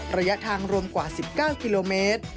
ระยะทางรวมกว่า๑๙กิโลเมตร